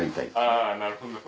あなるほど。